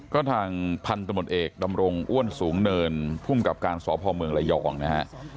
ก็ทางพันธมตเอกดำรงอ้วนสูงเนินภูมิกับการสพเมืองระยองนะฮะ